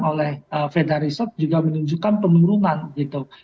oleh feda reserve juga menunjukkan penurunan gitu